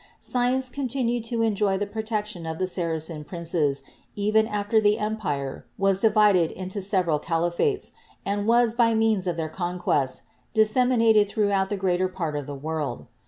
Science con tinued to enjoy the protection of the Saracen princes even after the empire was divided into several caliphates, and was, by means of their conquests, disseminated throughout the greater part of the world.